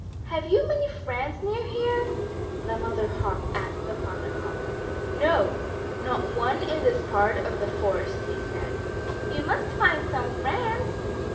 "Have you many friends near here?" the Mother Hawk asked the Father Hawk. "No, not one in this part of the forest," he said. "You must find some friends.